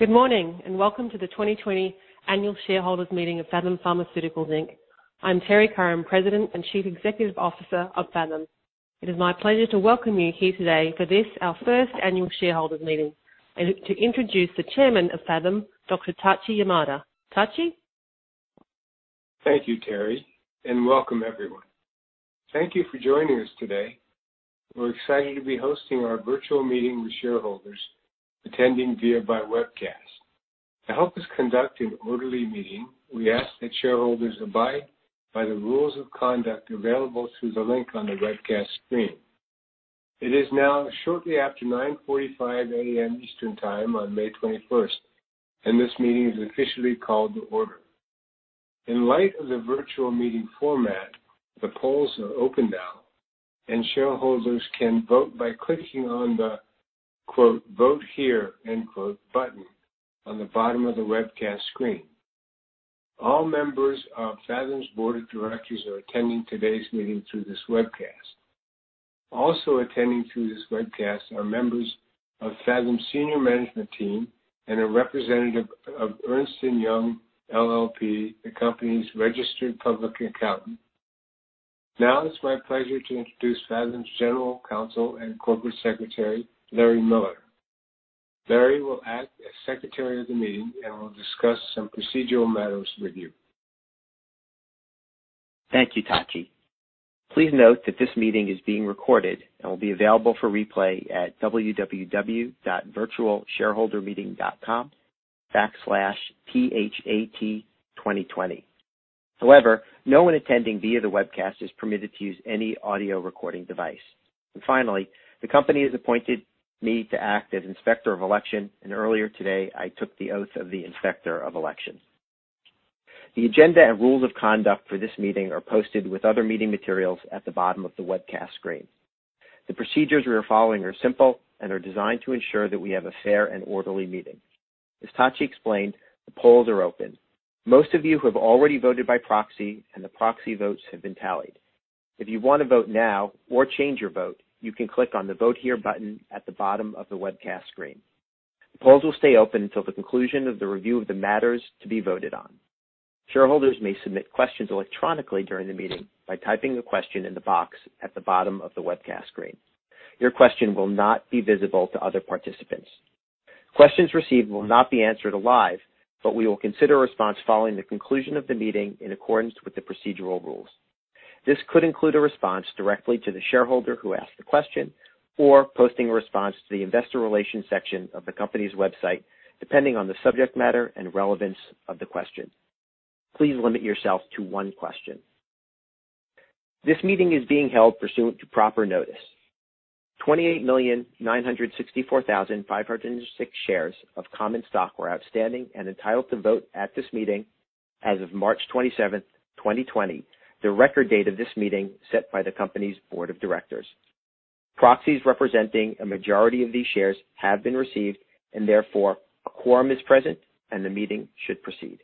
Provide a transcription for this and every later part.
Good morning, and welcome to the 2020 Annual Shareholders' Meeting of Phathom Pharmaceuticals, Inc. I'm Terrie Curran, President and Chief Executive Officer of Phathom. It is my pleasure to welcome you here today for this, our first annual shareholders' meeting, and to introduce the Chairman of Phathom, Dr. Tachi Yamada. Tachi? Thank you, Terrie, and welcome everyone. Thank you for joining us today. We're excited to be hosting our virtual meeting with shareholders attending via webcast. To help us conduct an orderly meeting, we ask that shareholders abide by the rules of conduct available through the link on the webcast screen. It is now shortly after 9:45 A.M. Eastern Time on May 21st, and this meeting is officially called to order. In light of the virtual meeting format, the polls are open now, and shareholders can vote by clicking on the "Vote here" button on the bottom of the webcast screen. All members of Phathom's board of directors are attending today's meeting through this webcast. Also attending through this webcast are members of Phathom's senior management team and a representative of Ernst & Young LLP, the company's registered public accountant. Now it's my pleasure to introduce Phathom's General Counsel and Corporate Secretary, Larry Miller. Larry will act as Secretary of the meeting and will discuss some procedural matters with you. Thank you, Tachi. Please note that this meeting is being recorded and will be available for replay at www.virtualshareholdermeeting.com/PHAT2020. However, no one attending via the webcast is permitted to use any audio recording device. Finally, the company has appointed me to act as Inspector of Election, and earlier today, I took the oath of the Inspector of Election. The agenda and rules of conduct for this meeting are posted with other meeting materials at the bottom of the webcast screen. The procedures we are following are simple and are designed to ensure that we have a fair and orderly meeting. As Tachi explained, the polls are open. Most of you have already voted by proxy, and the proxy votes have been tallied. If you want to vote now or change your vote, you can click on the Vote Here button at the bottom of the webcast screen. The polls will stay open until the conclusion of the review of the matters to be voted on. Shareholders may submit questions electronically during the meeting by typing a question in the box at the bottom of the webcast screen. Your question will not be visible to other participants. Questions received will not be answered live, but we will consider a response following the conclusion of the meeting in accordance with the procedural rules. This could include a response directly to the shareholder who asked the question or posting a response to the investor relations section of the company's website, depending on the subject matter and relevance of the question. Please limit yourself to one question. This meeting is being held pursuant to proper notice. 28,964,506 shares of common stock were outstanding and entitled to vote at this meeting as of March 27, 2020, the record date of this meeting set by the company's board of directors. Proxies representing a majority of these shares have been received, and therefore, a quorum is present, and the meeting should proceed.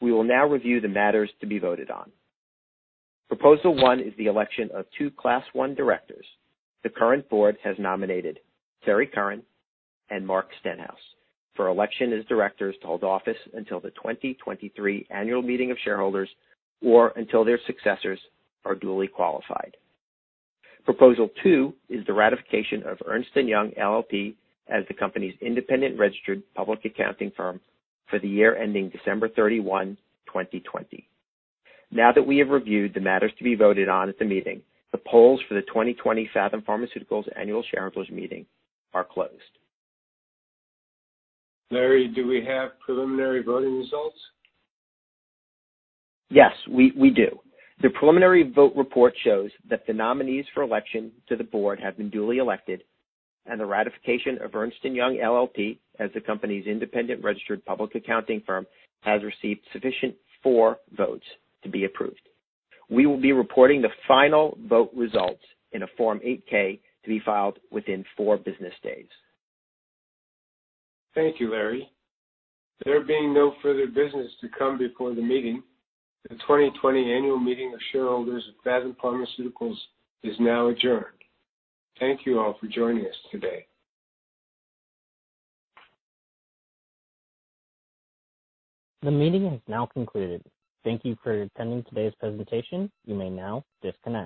We will now review the matters to be voted on. Proposal one is the election of two class 1 directors. The current board has nominated Terrie Curran and Mark Stenhouse for election as directors to hold office until the 2023 annual meeting of shareholders or until their successors are duly qualified. Proposal two is the ratification of Ernst & Young LLP as the company's independent registered public accounting firm for the year ending December 31, 2020. Now that we have reviewed the matters to be voted on at the meeting, the polls for the 2020 Phathom Pharmaceuticals annual shareholders meeting are closed. Larry, do we have preliminary voting results? Yes, we do. The preliminary vote report shows that the nominees for election to the board have been duly elected and the ratification of Ernst & Young LLP as the company's independent registered public accounting firm has received sufficient for votes to be approved. We will be reporting the final vote results in a Form 8-K to be filed within four business days. Thank you, Larry. There being no further business to come before the meeting, the 2020 annual meeting of shareholders of Phathom Pharmaceuticals is now adjourned. Thank you all for joining us today. The meeting has now concluded. Thank you for attending today's presentation. You may now disconnect.